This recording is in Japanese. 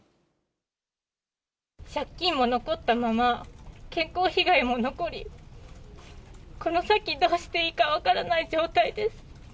借金も残ったまま、健康被害も残り、この先どうしていいか分からない状態です。